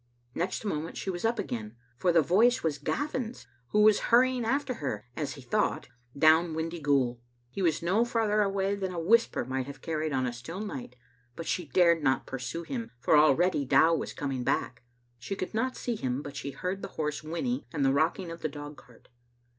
Next moment she was up again, for the voice was Gavin's, who was hurrying after her, as he thought, down Windyghoul. He was no farther away than a whisper might have carried on a still night, but she dared not pursue him, for already Dow was coming back. She could not see him, but she heard the horse whinny and the rocking of the dogcart.